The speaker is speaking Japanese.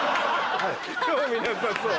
興味なさそう。